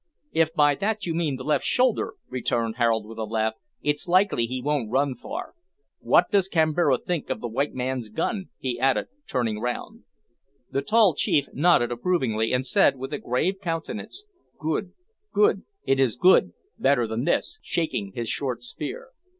"If by that you mean the left shoulder," returned Harold, with a laugh, "it's likely he won't run far. What does Kambira think of the white man's gun?" he added, turning round. The tall chief nodded approvingly, and said, with a grave countenance "Good, good; it is good better than this," shaking his short spear.